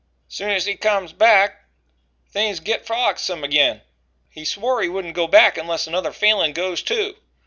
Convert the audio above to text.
Soon's he comes back, things git frolicksome agin. He swore he wouldn't go back unless another Falin goes too.